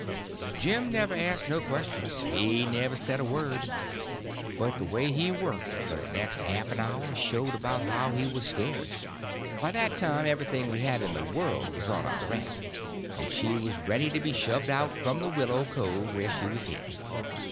Jim never asked no questions, he never said a word; but the way he worked for the next half an hour showed about how he was scared. By that time everything we had in the world was on our raft, and she was ready to be shoved out from the willow cove where she was hid.